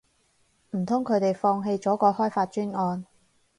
唔通佢哋放棄咗個開發專案